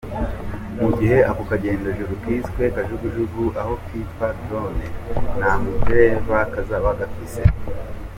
Mu gihe ako kagendajuru kiswe Kajugujugu aho kwitwa "drone", nta mudereva kazoba gafise.